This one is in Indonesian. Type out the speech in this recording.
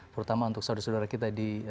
terutama untuk saudara saudara kita di